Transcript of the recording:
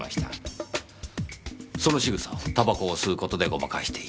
その仕草をタバコを吸う事でごまかしていた。